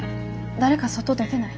誰か外出てない？